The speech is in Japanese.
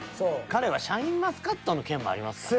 彼はシャインマスカットの件もありますからね。